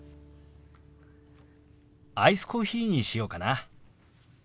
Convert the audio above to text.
アイスコーヒーにしようかな。